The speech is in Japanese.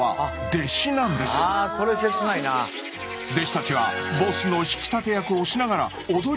弟子たちはボスの引き立て役をしながら踊りの練習をするだけ。